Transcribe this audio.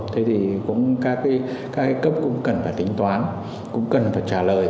thế thì cũng các cái cấp cũng cần phải tính toán cũng cần phải trả lời